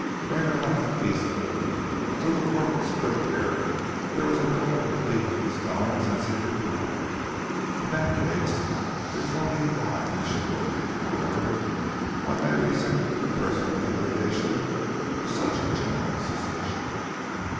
Rayner laughed easily, and to the corporal's quick ear there was a note of relief in his tones as he replied, "In that case there is no need why we should worry, however one may resent the personal implication of such a general suspicion."